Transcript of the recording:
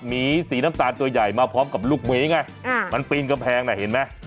หมีสีน้ำตาลตัวใหญ่มาพร้อมกับลูกหมีไงมันปีนกำแพงน่ะเห็นไหม